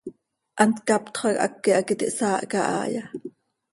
¿Hant captxö hac háqui hac iti hsaahca haaya?